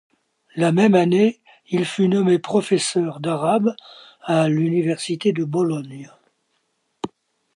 La même année, il fut nommé professeur d'arabe à l'Université de Bologne.